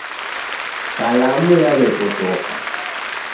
Kalamu yaw'epotoka.